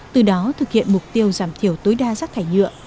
từ đó thực hiện mục tiêu giảm thiểu tối đa rác thải nhựa